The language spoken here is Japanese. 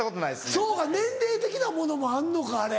そうか年齢的なものもあんのかあれ。